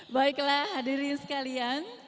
baiklah hadirin sekalian